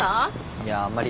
いやあんまり。